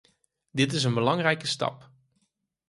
Dit is een belangrijke stap.